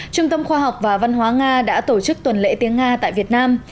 trung tâm khoa học và văn hóa nga đã tổ chức tuần lễ tiếng nga tại việt nam